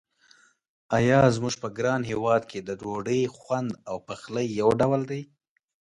آیا زموږ په ګران هېواد کې د ډوډۍ خوند او پخلی یو ډول دی.